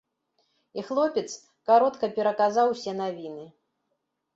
І хлопец каротка пераказаў усе навіны.